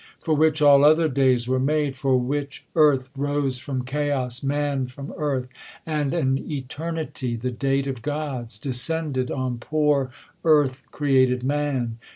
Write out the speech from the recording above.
for which all other days were made ; For which earth rose from chaos, man from earth ; And an eternity, the date of gods. Descended on poor earth^created man